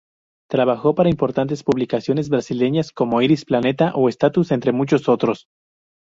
Trabajó para importantes publicaciones brasileñas, como Iris, Planeta o Status, entre muchos otros.